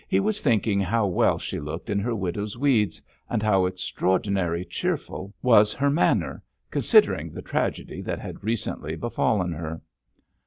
He was thinking how well she looked in her widow's weeds, and how extraordinary cheerful was her manner, considering the tragedy that had recently befallen her.